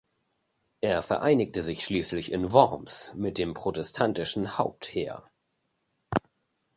Er vereinigte sich schließlich in Worms mit dem protestantischen Hauptheer.